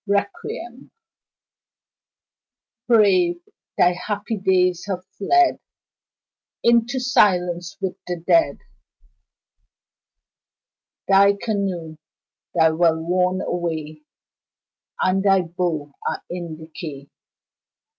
REQUIEM: Brave! thy happy days have fled Into silence with the dead; Thy canoe, thy well worn way, And thy bow are in decay.